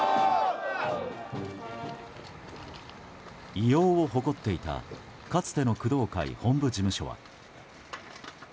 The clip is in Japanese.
威容を誇っていたかつての工藤会本部事務所は。